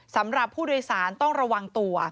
สำหรับผู้โดยสารต้องระวังตัว